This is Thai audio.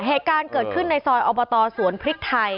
เหตุการณ์เกิดขึ้นในซอยอบตสวนพริกไทย